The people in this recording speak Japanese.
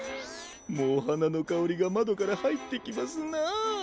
もうはなのかおりがまどからはいってきますな。